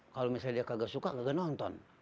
kalau misalnya dia kagak suka kagak nonton